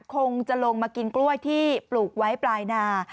คงจะลงมากินกล้วยที่ปลูกไว้ปลายนา